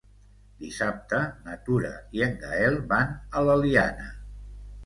Dissabte na Tura i en Gaël van a l'Eliana.